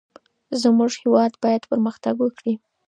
زمونږ هیواد باید پرمختګ وکړي.